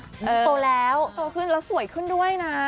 มันโตแล้วโตขึ้นแล้วสวยขึ้นด้วยนะ